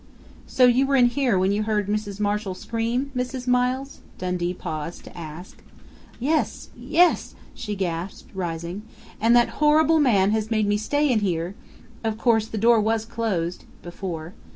"So you were in here when you heard Mrs. Marshall scream, Mrs. Miles?" Dundee paused to ask. "Yes yes!" she gasped, rising. "And that horrible man has made me stay in here . Of course, the door was closed before.